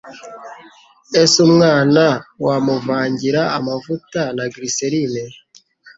Ese umwana wamuvangira amavuta na Glycerine